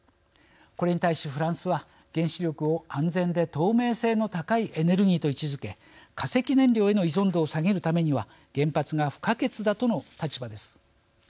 これに対しフランスは原子力を安全で透明性の高いエネルギーと位置づけ化石燃料への依存度を下げるためには原発が不可欠だとの立場です。